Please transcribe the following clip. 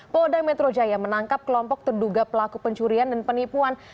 polda metro jaya menangkap kelompok terduga pelaku pencurian dan penipuan